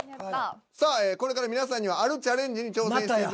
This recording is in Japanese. さあこれから皆さんにはあるチャレンジに挑戦していただき。